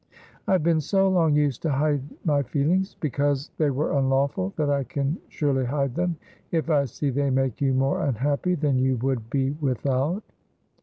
"I have been so long used to hide my feelings, because they were unlawful, that I can surely hide them if I see they make you more unhappy than you would be without."